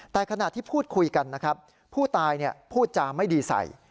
แต่ขณะที่พูดคุยกันนะครับผู้ตายพูดจาไม่ดีใส่